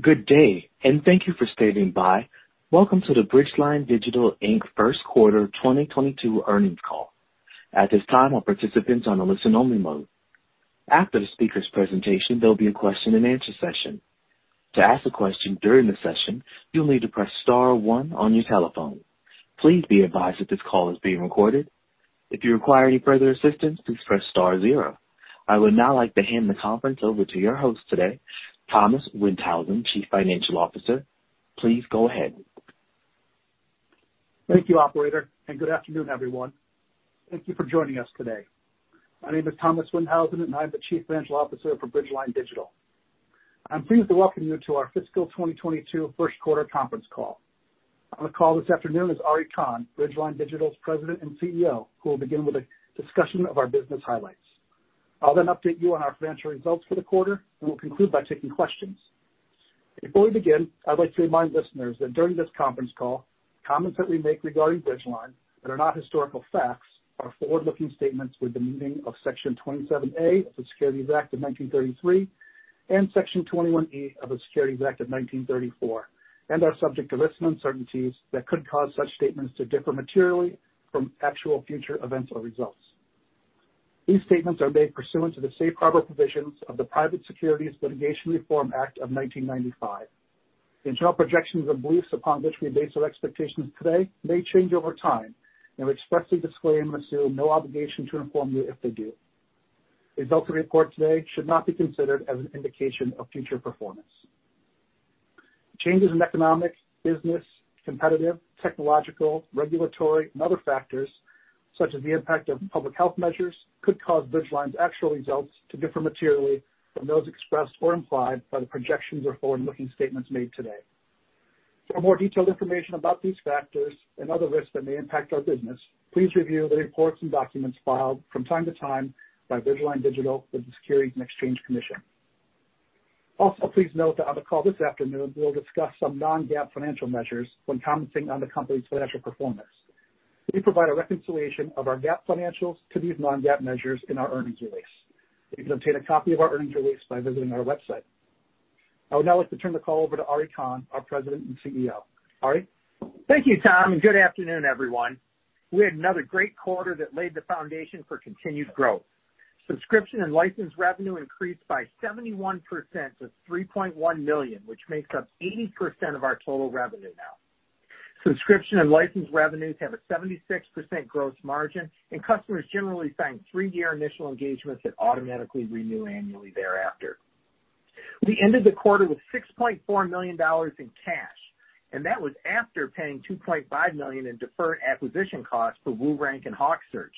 Good day, and thank you for standing by. Welcome to the Bridgeline Digital, Inc. First Quarter 2022 earnings call. At this time, all participants are on a listen-only mode. After the speaker's presentation, there'll be a question and answer session. To ask a question during the session, you'll need to press star one on your telephone. Please be advised that this call is being recorded. If you require any further assistance, please press star zero. I would now like to hand the conference over to your host today, Thomas Windhausen, Chief Financial Officer. Please go ahead. Thank you, operator, and good afternoon, everyone. Thank you for joining us today. My name is Thomas Windhausen, and I'm the Chief Financial Officer for Bridgeline Digital. I'm pleased to welcome you to our fiscal 2022 first quarter conference call. On the call this afternoon is Ari Kahn, Bridgeline Digital's President and CEO, who will begin with a discussion of our business highlights. I'll then update you on our financial results for the quarter, and we'll conclude by taking questions. Before we begin, I'd like to remind listeners that during this conference call, comments that we make regarding Bridgeline that are not historical facts are forward-looking statements with the meaning of Section 27A of the Securities Act of 1933 and Section 21E of the Securities Exchange Act of 1934 and are subject to certain uncertainties that could cause such statements to differ materially from actual future events or results. These statements are made pursuant to the safe harbor provisions of the Private Securities Litigation Reform Act of 1995. The internal projections and beliefs upon which we base our expectations today may change over time, and we expressly disclaim and assume no obligation to inform you if they do. Results reported today should not be considered as an indication of future performance. Changes in economics, business, competitive, technological, regulatory, and other factors, such as the impact of public health measures, could cause Bridgeline's actual results to differ materially from those expressed or implied by the projections or forward-looking statements made today. For more detailed information about these factors and other risks that may impact our business, please review the reports and documents filed from time to time by Bridgeline Digital with the Securities and Exchange Commission. Also, please note that on the call this afternoon, we'll discuss some non-GAAP financial measures when commenting on the company's financial performance. We provide a reconciliation of our GAAP financials to these non-GAAP measures in our earnings release. You can obtain a copy of our earnings release by visiting our website. I would now like to turn the call over to Ari Kahn, our President and CEO. Ari? Thank you, Tom, and good afternoon, everyone. We had another great quarter that laid the foundation for continued growth. Subscription and license revenue increased by 71% to $3.1 million, which makes up 80% of our total revenue now. Subscription and license revenues have a 76% gross margin, and customers generally sign three-year initial engagements that automatically renew annually thereafter. We ended the quarter with $6.4 million in cash, and that was after paying $2.5 million in deferred acquisition costs for WooRank and HawkSearch.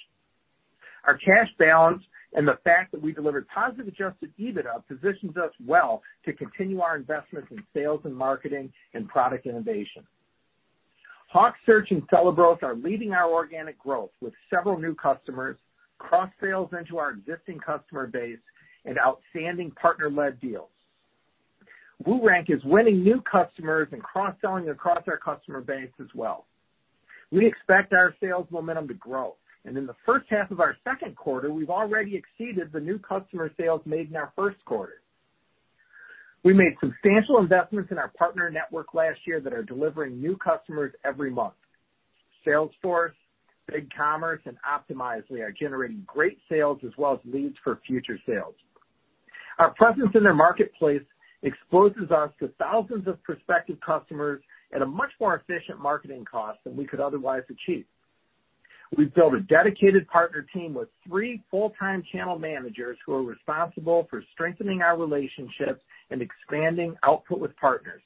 Our cash balance and the fact that we delivered positive adjusted EBITDA positions us well to continue our investments in sales and marketing and product innovation. HawkSearch and Celebros are leading our organic growth with several new customers, cross-sales into our existing customer base and outstanding partner-led deals. WooRank is winning new customers and cross-selling across our customer base as well. We expect our sales momentum to grow, and in the first half of our second quarter, we've already exceeded the new customer sales made in our first quarter. We made substantial investments in our partner network last year that are delivering new customers every month. Salesforce, BigCommerce, and Optimizely are generating great sales as well as leads for future sales. Our presence in their marketplace exposes us to thousands of prospective customers at a much more efficient marketing cost than we could otherwise achieve. We've built a dedicated partner team with three full-time channel managers who are responsible for strengthening our relationships and expanding output with partners.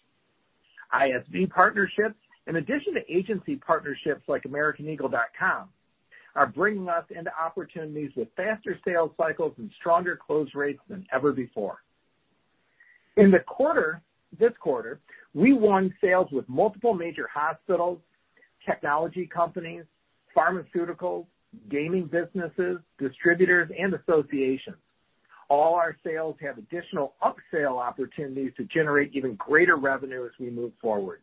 ISV partnerships, in addition to agency partnerships like americaneagle.com, are bringing us into opportunities with faster sales cycles and stronger close rates than ever before. In the quarter, this quarter, we won sales with multiple major hospitals, technology companies, pharmaceuticals, gaming businesses, distributors, and associations. All our sales have additional upsale opportunities to generate even greater revenue as we move forward.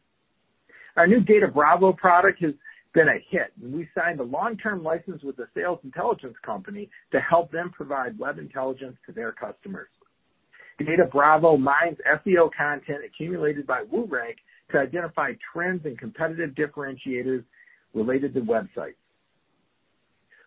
Our new DataBravo product has been a hit, and we signed a long-term license with a sales intelligence company to help them provide web intelligence to their customers. DataBravo mines SEO content accumulated by WooRank to identify trends and competitive differentiators related to websites.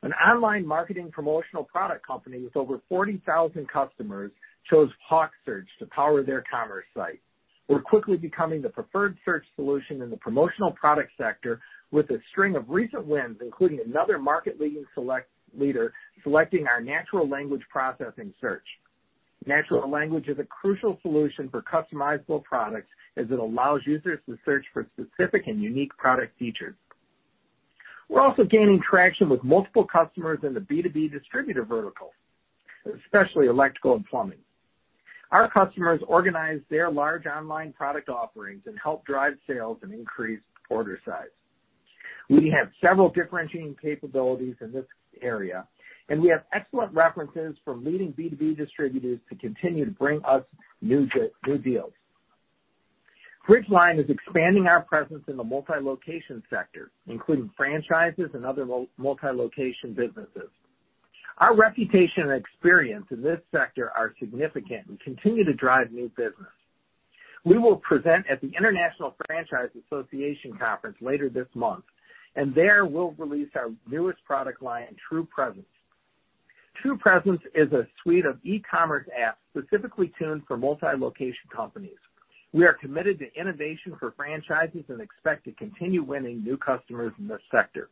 An online marketing promotional product company with over 40,000 customers chose HawkSearch to power their commerce site. We're quickly becoming the preferred search solution in the promotional product sector with a string of recent wins, including another market leader selecting our natural language processing search. Natural language is a crucial solution for customizable products as it allows users to search for specific and unique product features. We're also gaining traction with multiple customers in the B2B distributor vertical, especially electrical and plumbing. Our customers organize their large online product offerings and help drive sales and increase order size. We have several differentiating capabilities in this area, and we have excellent references from leading B2B distributors to continue to bring us new deals. Bridgeline is expanding our presence in the multi-location sector, including franchises and other multi-location businesses. Our reputation and experience in this sector are significant and continue to drive new business. We will present at the International Franchise Association Conference later this month, and there we'll release our newest product line, TruPresence. TruPresence is a suite of e-commerce apps specifically tuned for multi-location companies. We are committed to innovation for franchises and expect to continue winning new customers in this sector.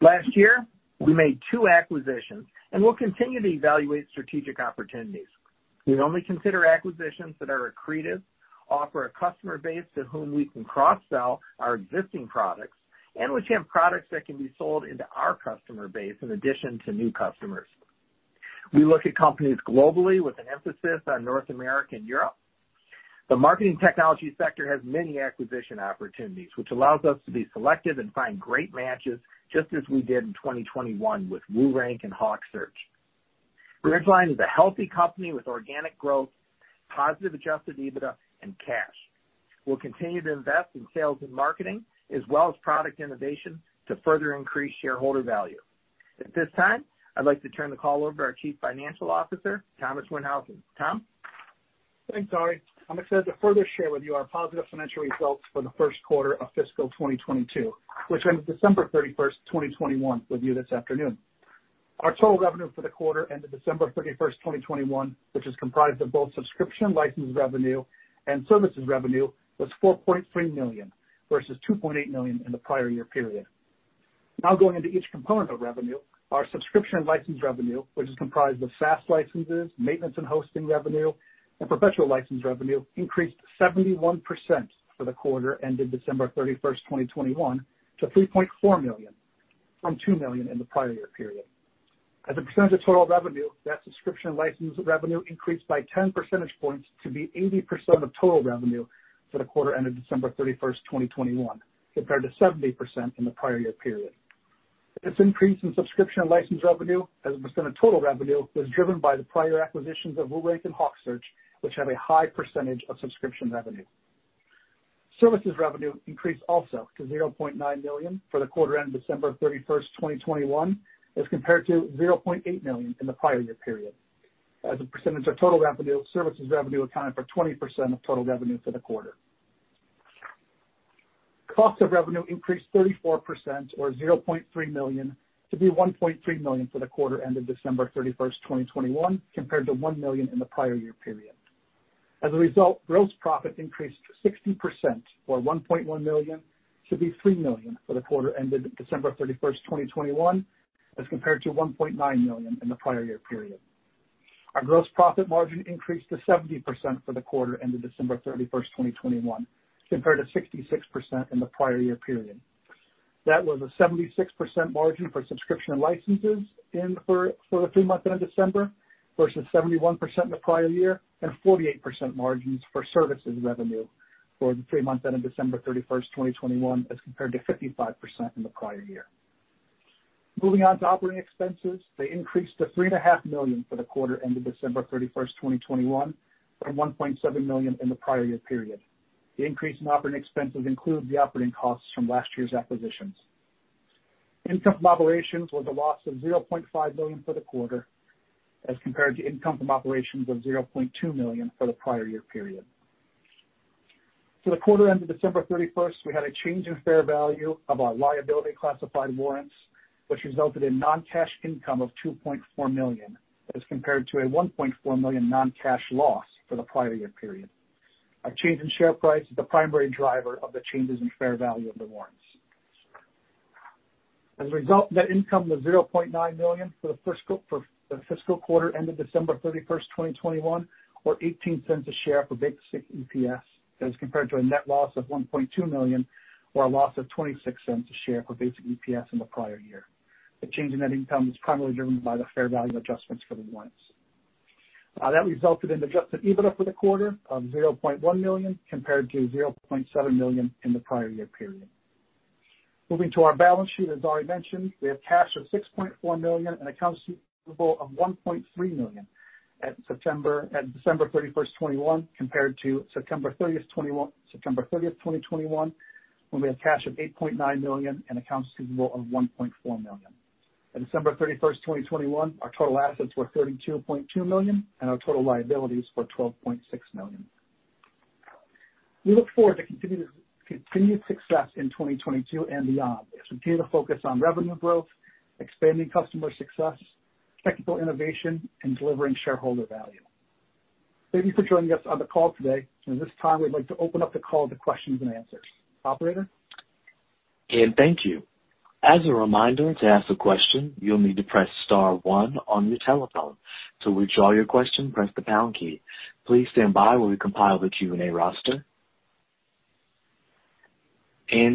Last year, we made two acquisitions, and we'll continue to evaluate strategic opportunities. We only consider acquisitions that are accretive, offer a customer base to whom we can cross-sell our existing products, and which have products that can be sold into our customer base in addition to new customers. We look at companies globally with an emphasis on North America and Europe. The marketing technology sector has many acquisition opportunities, which allows us to be selective and find great matches, just as we did in 2021 with WooRank and HawkSearch. Bridgeline is a healthy company with organic growth, positive adjusted EBITDA, and cash. We'll continue to invest in sales and marketing as well as product innovation to further increase shareholder value. At this time, I'd like to turn the call over to our Chief Financial Officer, Thomas Windhausen. Tom? Thanks, Ari. I'm excited to further share with you our positive financial results for the first quarter of fiscal 2022, which ended December 31, 2021, with you this afternoon. Our total revenue for the quarter ended December 31, 2021, which is comprised of both subscription license revenue and services revenue, was $4.3 million versus $2.8 million in the prior year period. Now going into each component of revenue. Our subscription license revenue, which is comprised of SaaS licenses, maintenance and hosting revenue, and professional license revenue, increased 71% for the quarter ended December 31, 2021 to $3.4 million, from $2 million in the prior year period. As a percentage of total revenue, that subscription license revenue increased by 10 percentage points to be 80% of total revenue for the quarter ended December 31, 2021, compared to 70% in the prior year period. This increase in subscription and license revenue as a percent of total revenue was driven by the prior acquisitions of WooRank and HawkSearch, which have a high percentage of subscription revenue. Services revenue increased also to $0.9 million for the quarter ended December 31, 2021, as compared to $0.8 million in the prior year period. As a percentage of total revenue, services revenue accounted for 20% of total revenue for the quarter. Cost of revenue increased 34% or $0.3 million to be $1.3 million for the quarter ended December 31, 2021, compared to $1 million in the prior year period. As a result, gross profit increased 60% or $1.1 million to $3 million for the quarter ended December 31, 2021, as compared to $1.9 million in the prior year period. Our gross profit margin increased to 70% for the quarter ended December 31, 2021, compared to 66% in the prior year period. That was a 76% margin for subscription licenses for the three months ended December versus 71% in the prior year, and 48% margins for services revenue for the three months ended December 31, 2021, as compared to 55% in the prior year. Moving on to operating expenses. They increased to $3.5 million for the quarter ended December 31, 2021, from $1.7 million in the prior year period. The increase in operating expenses include the operating costs from last year's acquisitions. Income from operations was a loss of $0.5 million for the quarter, as compared to income from operations of $0.2 million for the prior year period. For the quarter ended December 31, we had a change in fair value of our liability-classified warrants, which resulted in non-cash income of $2.4 million, as compared to a $1.4 million non-cash loss for the prior year period. Our change in share price is the primary driver of the changes in fair value of the warrants. As a result, net income was $0.9 million for the fiscal quarter ended December 31, 2021, or $0.18 per share for basic EPS as compared to a net loss of $1.2 million or a loss of $0.26 per share for basic EPS in the prior year. The change in net income was primarily driven by the fair value adjustments for the warrants. That resulted in adjusted EBITDA for the quarter of $0.1 million compared to $0.7 million in the prior year period. Moving to our balance sheet, as Ari mentioned, we have cash of $6.4 million and accounts receivable of $1.3 million at December 31, 2021, compared to September 30, 2021, when we had cash of $8.9 million and accounts receivable of $1.4 million. At December 31, 2021, our total assets were $32.2 million and our total liabilities were $12.6 million. We look forward to continued success in 2022 and beyond as we continue to focus on revenue growth, expanding customer success, technical innovation, and delivering shareholder value. Thank you for joining us on the call today. At this time, we'd like to open up the call to questions and answers. Operator? Thank you. As a reminder, to ask a question, you'll need to press star one on your telephone. To withdraw your question, press the pound key. Please stand by while we compile the Q&A roster.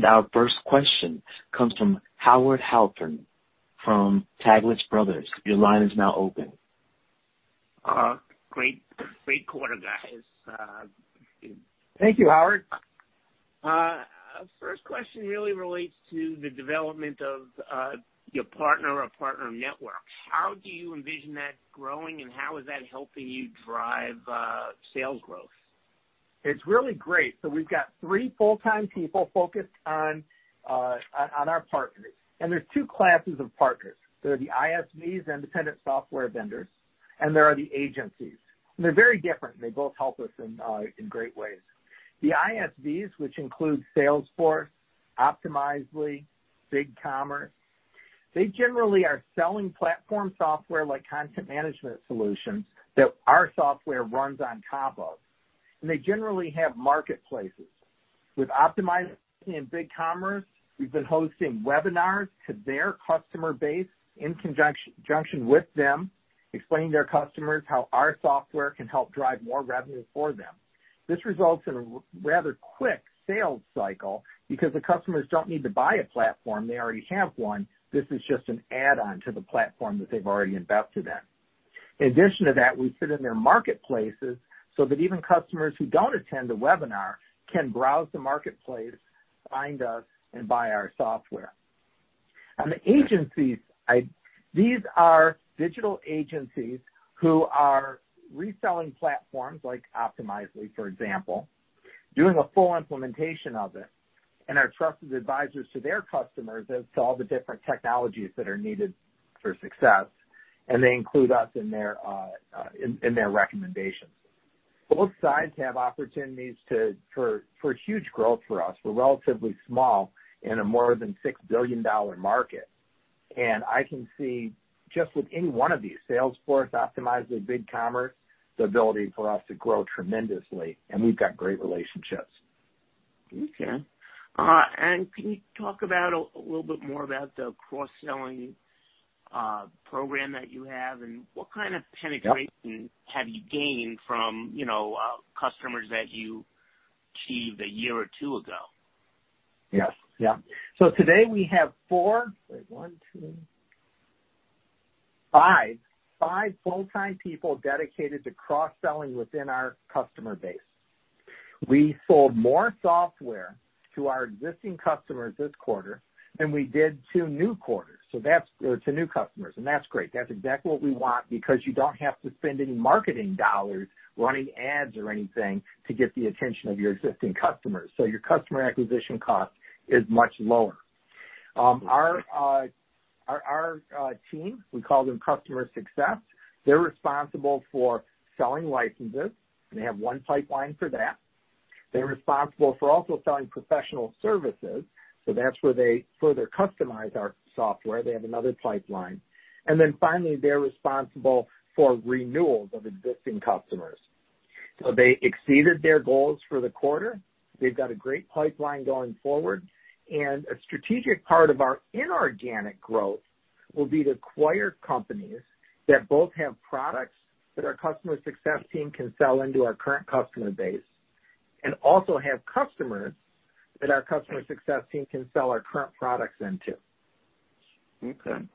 Our first question comes from Howard Halpern from Taglich Brothers. Your line is now open. Great quarter, guys. Thank you, Howard. First question really relates to the development of your partner network. How do you envision that growing and how is that helping you drive sales growth? It's really great. We've got three full-time people focused on our partners. There's two classes of partners. There are the ISVs, Independent Software Vendors, and there are the agencies. They're very different, and they both help us in great ways. The ISVs, which include Salesforce, Optimizely, BigCommerce, they generally are selling platform software like content management solutions that our software runs on top of, and they generally have marketplaces. With Optimizely and BigCommerce, we've been hosting webinars to their customer base in conjunction with them, explaining to their customers how our software can help drive more revenue for them. This results in a rather quick sales cycle because the customers don't need to buy a platform. They already have one. This is just an add-on to the platform that they've already invested ins. In addition to that, we sit in their marketplaces so that even customers who don't attend a webinar can browse the marketplace, find us and buy our software. On the agencies side, these are digital agencies who are reselling platforms like Optimizely, for example, doing a full implementation of it, and are trusted advisors to their customers as to all the different technologies that are needed for success, and they include us in their recommendations. Both sides have opportunities for huge growth for us. We're relatively small in a more than $6 billion market, and I can see just with any one of these, Salesforce, Optimizely, BigCommerce, the ability for us to grow tremendously, and we've got great relationships. Okay. Can you talk about a little bit more about the cross-selling program that you have, and what kind of penetration? Yep. have you gained from, you know, customers that you acquired a year or two ago? Yes. Yeah. Today we have five full-time people dedicated to cross-selling within our customer base. We sold more software to our existing customers this quarter than we did to new customers, and that's great. That's exactly what we want because you don't have to spend any marketing dollars running ads or anything to get the attention of your existing customers. Your customer acquisition cost is much lower. Our team, we call them customer success, they're responsible for selling licenses. They have one pipeline for that. They're responsible for also selling professional services, so that's where they further customize our software. They have another pipeline. Then finally, they're responsible for renewals of existing customers. They exceeded their goals for the quarter. They've got a great pipeline going forward. A strategic part of our inorganic growth will be to acquire companies that both have products that our customer success team can sell into our current customer base and also have customers that our customer success team can sell our current products into. Okay.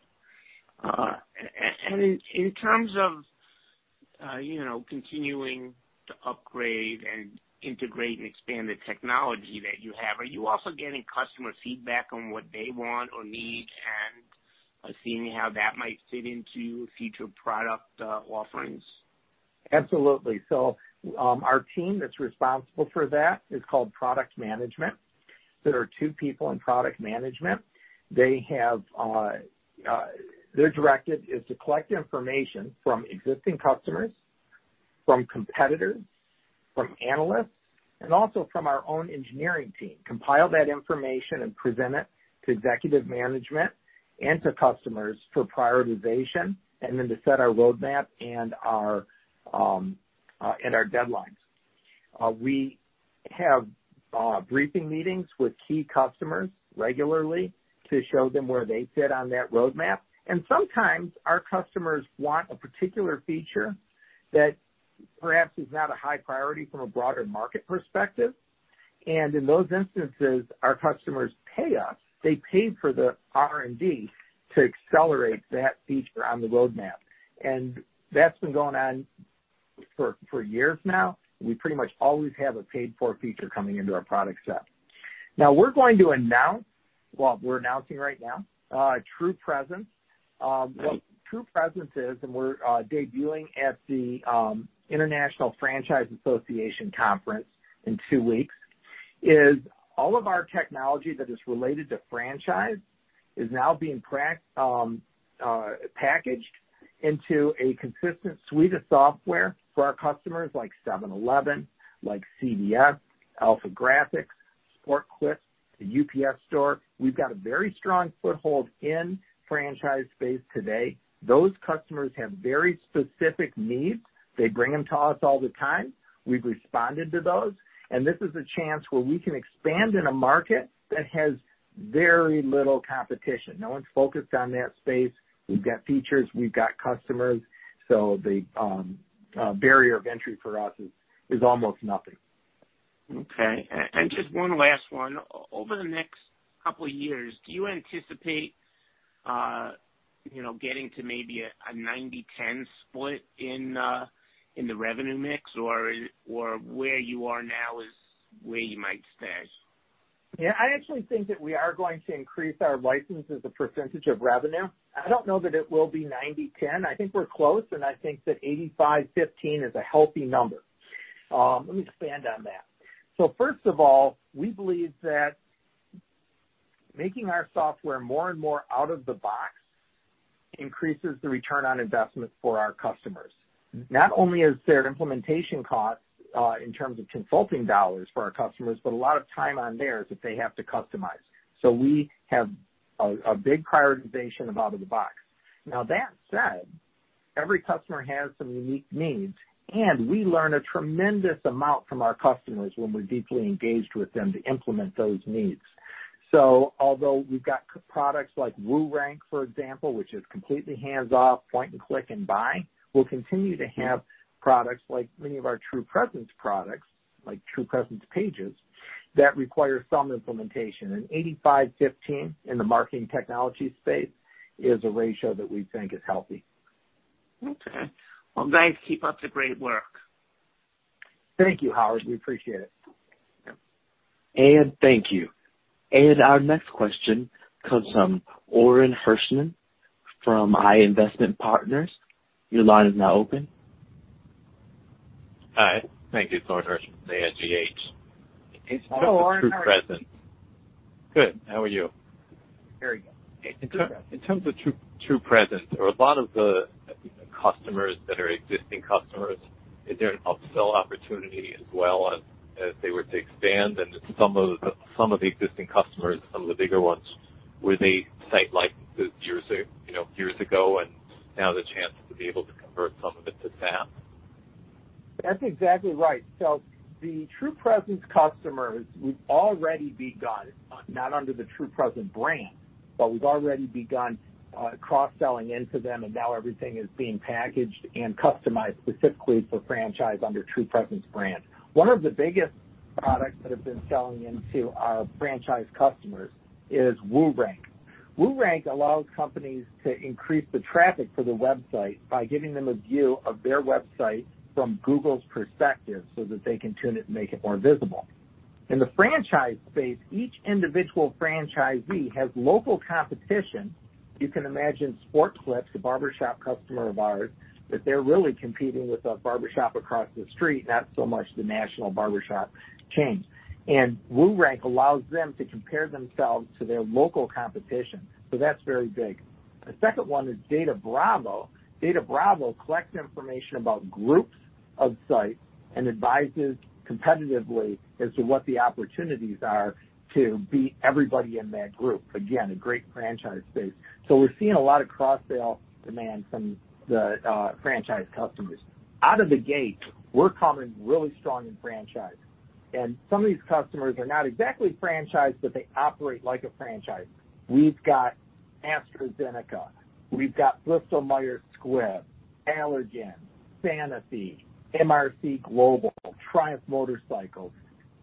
In terms of, you know, continuing to upgrade and integrate and expand the technology that you have, are you also getting customer feedback on what they want or need and seeing how that might fit into future product offerings? Absolutely. Our team that's responsible for that is called product management. There are two people in product management. They have their directive is to collect information from existing customers, from competitors, from analysts, and also from our own engineering team, compile that information and present it to executive management and to customers for prioritization and then to set our roadmap and our deadlines. We have briefing meetings with key customers regularly to show them where they fit on that roadmap. Sometimes our customers want a particular feature that perhaps is not a high priority from a broader market perspective. In those instances, our customers pay us. They pay for the R&D to accelerate that feature on the roadmap. That's been going on for years now. We pretty much always have a paid-for feature coming into our product set. We're announcing right now TruPresence. Right. What TruPresence is, and we're debuting at the International Franchise Association Conference in two weeks, is all of our technology that is related to franchise is now being packaged into a consistent suite of software for our customers like 7-Eleven, like CVS, AlphaGraphics, Sport Clips, The UPS Store. We've got a very strong foothold in franchise space today. Those customers have very specific needs. They bring them to us all the time. We've responded to those. This is a chance where we can expand in a market that has very little competition. No one's focused on that space. We've got features, we've got customers, so the barrier of entry for us is almost nothing. Okay. Just one last one. Over the next couple of years, do you anticipate, you know, getting to maybe a 90-10 split in the revenue mix or where you are now is where you might stay? Yeah. I actually think that we are going to increase our license as a percentage of revenue. I don't know that it will be 90%-10%. I think we're close, and I think that 85%-15% is a healthy number. Let me expand on that. First of all, we believe that making our software more and more out of the box increases the return on investment for our customers. Not only is there implementation costs in terms of consulting dollars for our customers, but a lot of time on theirs if they have to customize. We have a big prioritization of out of the box. Now that said, every customer has some unique needs, and we learn a tremendous amount from our customers when we're deeply engaged with them to implement those needs. Although we've got SaaS products like WooRank, for example, which is completely hands-off, point and click and buy, we'll continue to have products like many of our TruPresence products, like TruPresence Pages, that require some implementation. 85/15 in the marketing technology space is a ratio that we think is healthy. Okay. Well, guys, keep up the great work. Thank you, Howard. We appreciate it. Thank you. Our next question comes from Orin Hirschman from AIGH Investment Partners. Your line is now open. Hi. Thank you. It's Orin Hirschman with AIGH. It's Orin Hirschman. Good. How are you? Very good. In terms of TruPresence or a lot of the customers that are existing customers, is there an upsell opportunity as well as if they were to expand and some of the existing customers, some of the bigger ones, were they signed like years ago, you know, and now the chance to be able to convert some of it to SaaS? That's exactly right. The TruPresence customers, we've already begun, not under the TruPresence brand, but we've already begun, cross-selling into them, and now everything is being packaged and customized specifically for franchise under TruPresence brand. One of the biggest products that have been selling into our franchise customers is WooRank. WooRank allows companies to increase the traffic to their website by giving them a view of their website from Google's perspective so that they can tune it and make it more visible. In the franchise space, each individual franchisee has local competition. You can imagine Sport Clips, a barbershop customer of ours, that they're really competing with a barbershop across the street, not so much the national barbershop chain. WooRank allows them to compare themselves to their local competition, so that's very big. The second one is DataBravo. DataBravo collects information about groups of sites and advises competitively as to what the opportunities are to beat everybody in that group. Again, a great franchise space. We're seeing a lot of cross-sale demand from the franchise customers. Out of the gate, we're coming really strong in franchise, and some of these customers are not exactly franchise, but they operate like a franchise. We've got AstraZeneca. We've got Bristol Myers Squibb, Allergan, Sanofi, MRC Global, Triumph Motorcycles,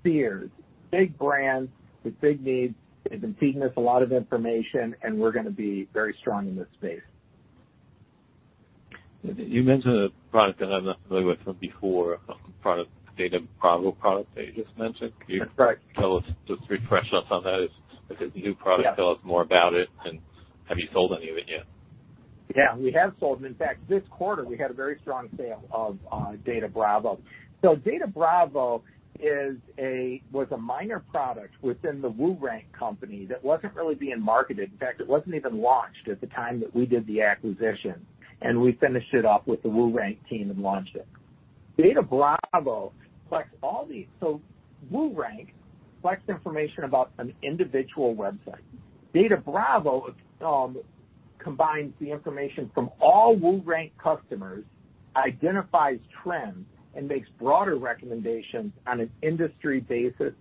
Sears, big brands with big needs. They've been feeding us a lot of information, and we're gonna be very strong in this space. You mentioned a product that I'm not familiar with from before, product DataBravo that you just mentioned. That's right. Can you tell us, just refresh us on that? If it's a new product, tell us more about it, and have you sold any of it yet? Yeah, we have sold, and in fact, this quarter we had a very strong sale of DataBravo. So DataBravo was a minor product within the WooRank company that wasn't really being marketed. In fact, it wasn't even launched at the time that we did the acquisition, and we finished it up with the WooRank team and launched it. DataBravo collects. WooRank collects information about an individual website. DataBravo combines the information from all WooRank customers, identifies trends, and makes broader recommendations on an industry basis.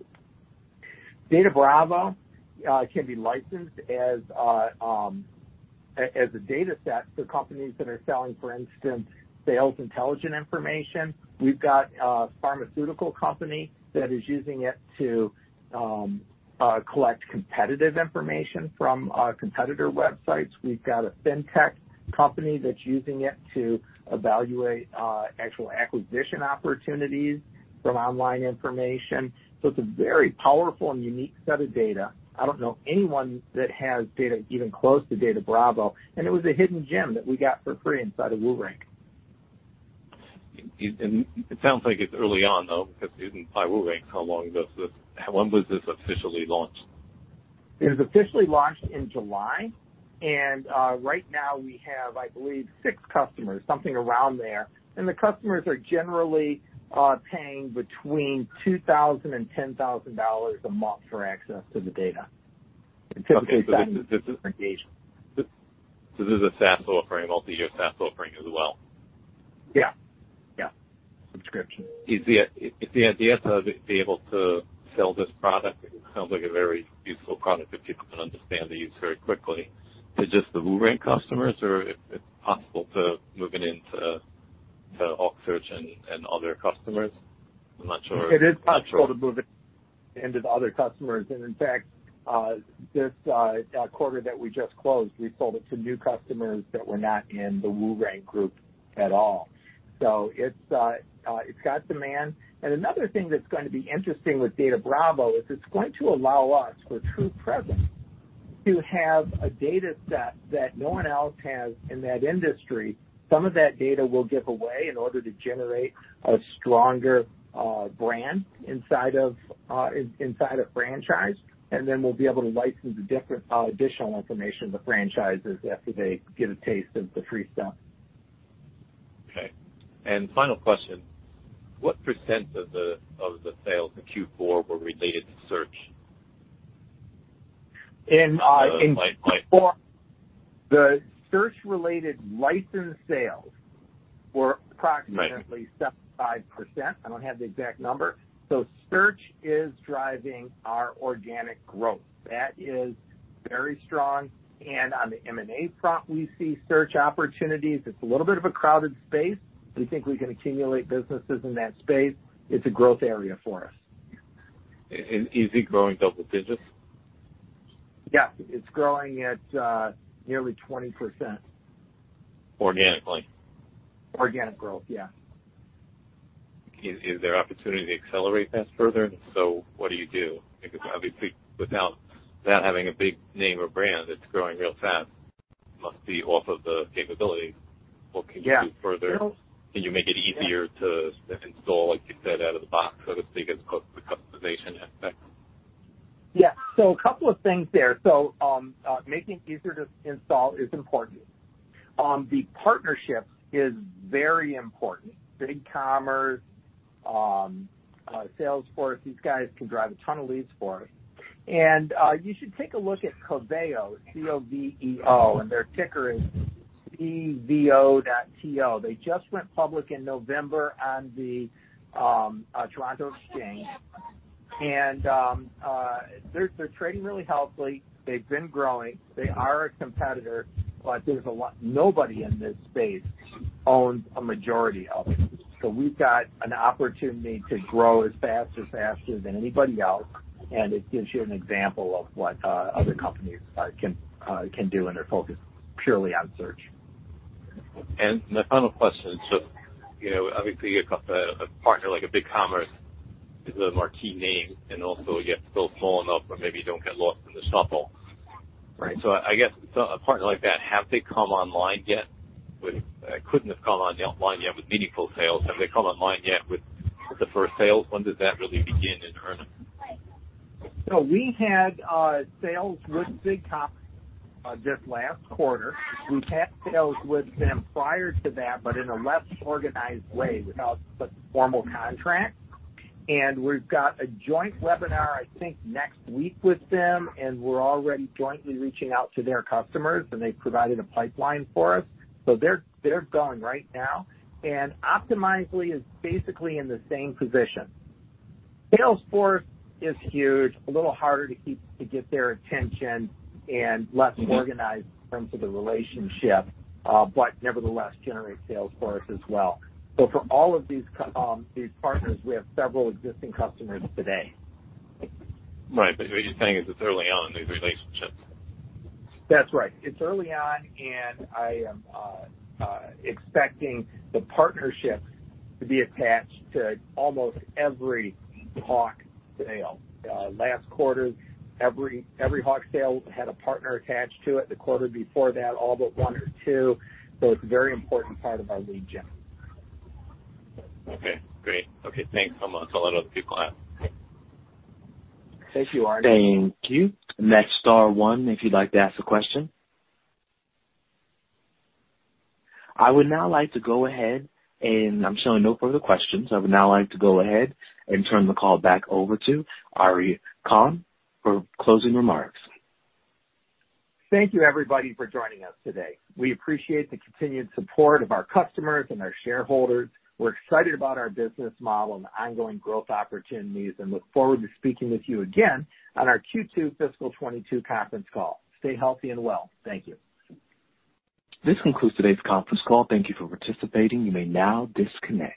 DataBravo can be licensed as a data set to companies that are selling, for instance, sales intelligence information. We've got a pharmaceutical company that is using it to collect competitive information from competitor websites. We've got a fintech company that's using it to evaluate actual acquisition opportunities from online information. It's a very powerful and unique set of data. I don't know anyone that has data even close to DataBravo, and it was a hidden gem that we got for free inside of WooRank. It sounds like it's early on, though, because it was by WooRank. How long does this? When was this officially launched? It was officially launched in July, and right now we have, I believe, 6 customers, something around there. The customers are generally paying between $2,000-$10,000 a month for access to the data. Okay. This is a SaaS offering, multi-year SaaS offering as well? Yeah. Yeah. Subscription. Is the idea to be able to sell this product? It sounds like a very useful product that people can understand the use very quickly, to just the WooRank customers, or if it's possible to moving into HawkSearch and other customers? I'm not sure. It is possible to move it into the other customers. In fact, this quarter that we just closed, we sold it to new customers that were not in the WooRank group at all. It's got demand. Another thing that's gonna be interesting with DataBravo is it's going to allow us for TruPresence to have a data set that no one else has in that industry. Some of that data we'll give away in order to generate a stronger brand inside of a franchise, and then we'll be able to license the different additional information to franchises after they get a taste of the free stuff. Okay. Final question. What percent of the sales in Q4 were related to search? In Q4, the search-related licensed sales were approximately 75%. I don't have the exact number. Search is driving our organic growth. That is very strong. On the M&A front, we see search opportunities. It's a little bit of a crowded space. We think we can accumulate businesses in that space. It's a growth area for us. Is it growing double digits? Yeah. It's growing at nearly 20%. Organically? Organic growth, yeah. Is there opportunity to accelerate that further? If so, what do you do? Because obviously without having a big name or brand, it's growing real fast, must be off of the capabilities. What can you do further? Can you make it easier to install, like you said, out of the box so to speak as opposed to the customization aspect? Yeah. A couple of things there. Making it easier to install is important. The partnership is very important. BigCommerce, Salesforce, these guys can drive a ton of leads for us. You should take a look at Coveo, C-O-V-E-O, and their ticker is CVO.TO. They just went public in November on the Toronto Exchange. They're trading really healthily. They've been growing. They are a competitor, but there's a lot. Nobody in this space owns a majority of it. We've got an opportunity to grow as fast or faster than anybody else, and it gives you an example of what other companies can do when they're focused purely on search. My final question. You know, obviously a partner like BigCommerce is a marquee name and also yet still small enough where maybe you don't get lost in the shuffle. Right. I guess a partner like that, have they come online yet? Couldn't have come online yet with meaningful sales. Have they come online yet with the first sales? When does that really begin in earnings? We had sales with BigCommerce just last quarter. We've had sales with them prior to that but in a less organized way, without the formal contract. We've got a joint webinar, I think, next week with them, and we're already jointly reaching out to their customers, and they've provided a pipeline for us. They're going right now. Optimizely is basically in the same position. Salesforce is huge, a little harder to get their attention and less organized in terms of the relationship, but nevertheless generate sales for us as well. For all of these partners, we have several existing customers today. Right. What you're saying is it's early on in these relationships. That's right. It's early on, and I am expecting the partnerships to be attached to almost every Hawk sale. Last quarter, every Hawk sale had a partner attached to it. The quarter before that, all but one or two. It's a very important part of our lead gen. Okay, great. Okay, thanks. I'm gonna let other people ask. Thank you, Ari. Thank you. Next, star one if you'd like to ask a question. I would now like to go ahead and I'm showing no further questions. I would now like to go ahead and turn the call back over to Ari Kahn for closing remarks. Thank you everybody for joining us today. We appreciate the continued support of our customers and our shareholders. We're excited about our business model and the ongoing growth opportunities and look forward to speaking with you again on our Q2 fiscal 2022 conference call. Stay healthy and well. Thank you. This concludes today's conference call. Thank you for participating. You may now disconnect.